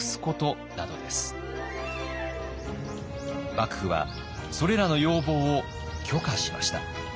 幕府はそれらの要望を許可しました。